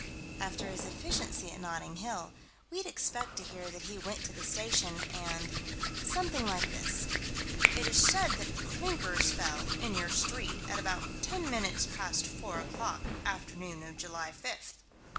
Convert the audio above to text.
After his efficiency at Notting Hill, we'd expect to hear that he went to the station, and something like this: "It is said that clinkers fell, in your street, at about ten minutes past four o'clock, afternoon of July fifth.